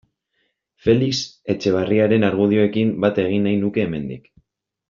Felix Etxeberriaren argudioekin bat egin nahi nuke hemendik.